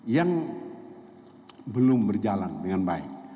yang belum berjalan dengan baik